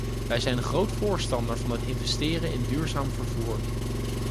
Wij zijn groot voorstander van het investeren in duurzaam vervoer.